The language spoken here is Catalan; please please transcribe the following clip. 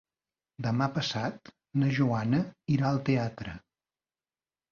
Demà passat na Joana irà al teatre.